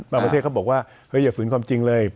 ประเทศเขาบอกว่าอย่าฝืนความจริงเลย